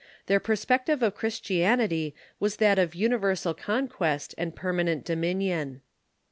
Their per spective of Christianity was that of universal conquest and permanent dominion.